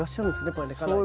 これねかなりね。